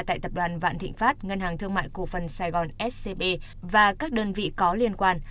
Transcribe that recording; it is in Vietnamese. tại tập đoàn vạn thịnh pháp ngân hàng thương mại cổ phần sài gòn scb và các đơn vị có liên quan